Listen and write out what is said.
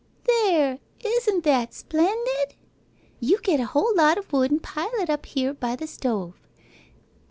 There! Isn't that splendid? You get a whole lot of wood an' pile it up here by the stove.